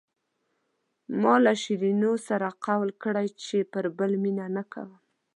ما له شیرینو سره قول کړی چې پر بل مینه نه کوم.